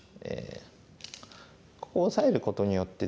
ここをオサえることによってですね